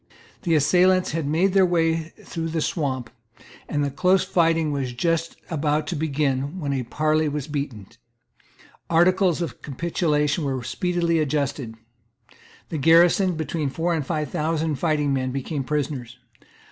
The assailants had made their way through the swamp, and the close fighting was just about to begin, when a parley was beaten. Articles of capitulation were speedily adjusted. The garrison, between four and five thousand fighting men, became prisoners.